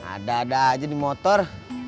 ada ada aja di motor